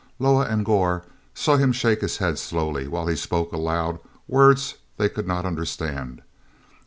Loah and Gor saw him shake his head slowly while he spoke aloud words that they could not understand.